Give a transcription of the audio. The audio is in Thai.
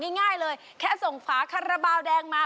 ง่ายเลยแค่ส่งฝาคาราบาลแดงมา